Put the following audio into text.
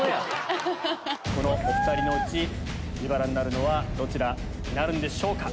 このお２人のうち自腹になるのはどちらなんでしょうか。